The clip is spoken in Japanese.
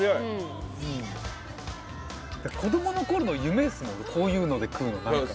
子どもの頃の夢ですもんこういうので食うの、なんか。